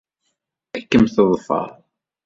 Ad kem-teḍfer.